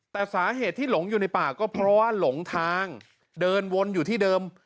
แต่สาเหตุที่หลงอยู่ในป่าก็เพราะว่าหลงทางเดินวนอยู่ที่เดิม